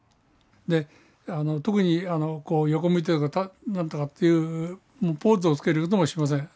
で特に横向いてとか何とかというもうポーズをつけることもしません。